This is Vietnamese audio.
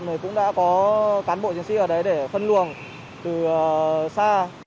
thì cũng đã có cán bộ chiến sĩ ở đấy để phân luồng từ xa